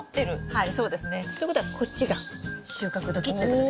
はいそうですね。ということはこっちが収穫時ってことです。